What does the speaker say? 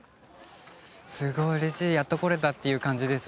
すごい嬉しいやっと来れたって感じです